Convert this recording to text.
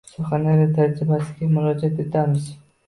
Surxondaryo «tajribasi»ga murojat etamiz.